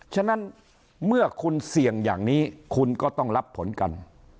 ฉะนั้นเมื่อคุณเสี่ยงอย่างนี้คุณก็ต้องรับผลกัน